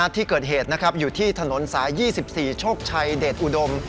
ที่เกิดเหตุอยู่ที่ถนนสาย๒๔โชคชัยเดชอุดม